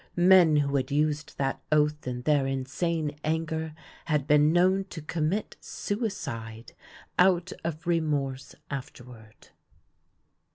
Men who had used that oath in their insane anger had been known to commit suicide out of remorse after ward.